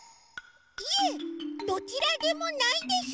いえどちらでもないです。